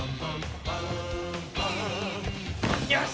よし！